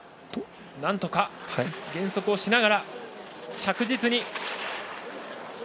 なんとか減速をしながら着実に。